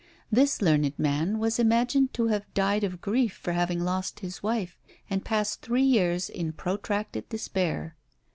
This learned man was imagined to have died of grief, for having lost his wife, and passed three years in protracted despair.